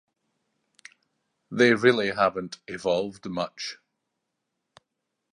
They really haven’t evolved much.